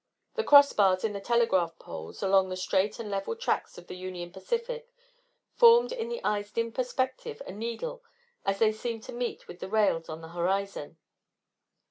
The crossbars on the telegraph poles, along the straight and level tracks of the Union Pacific, formed in the eye's dim perspective a needle, as they seemed to meet with the rails on the horizon.